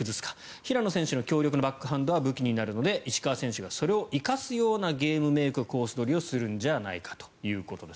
平野選手の強力なバックハンドは武器になるので石川選手がそれを生かすようなゲームメイク、コース取りをするんじゃないかということです。